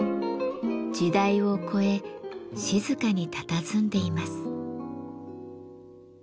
時代を超え静かにたたずんでいます。